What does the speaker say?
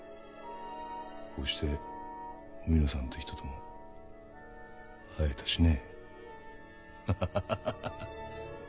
こうしておみのさんって人とも会えたしね。